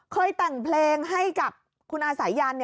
เคยสงครามให้กับคุณอาสายยัน